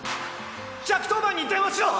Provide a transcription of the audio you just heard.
１１０番に電話しろ！